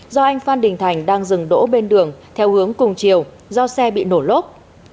do anh phan đình thành đang dừng đỗ bên đường theo hướng cùng chiều do xe bị nổ lốp